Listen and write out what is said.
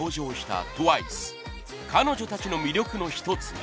彼女たちの魅力の１つが。